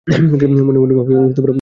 মনে মনে ভাবিব, ও কে গেল।